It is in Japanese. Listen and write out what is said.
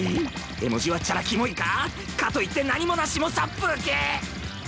絵文字はチャラキモいか⁉かといって何もなしも殺風景！